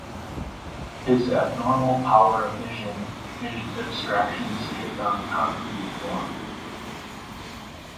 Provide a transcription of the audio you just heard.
His abnormal power of vision made abstractions take on concrete form.